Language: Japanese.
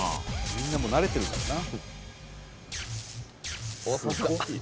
みんなもう慣れてるからな。